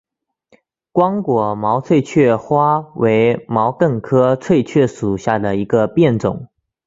光果毛翠雀花为毛茛科翠雀属下的一个变种。